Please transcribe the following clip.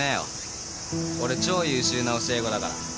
俺超優秀な教え子だから。